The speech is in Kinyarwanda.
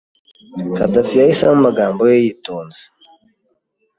Khadafi yahisemo amagambo ye yitonze.